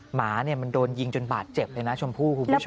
หมามันโดนยิงจนบาดเจ็บเลยนะชมพู่คุณผู้ชม